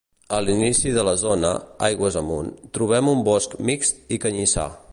A l’inici de la zona, aigües amunt, trobem un bosc mixt i canyissar.